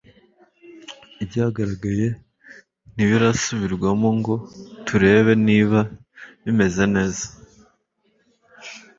Ibyagaragaye ntibirasubirwamongo turebe niba bimeze neza